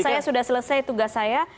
saya sudah selesai tugas saya